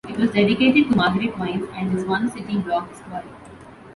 It was dedicated to Margaret Wines and is one city block square.